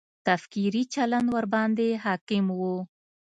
تکفیري چلند ورباندې حاکم و.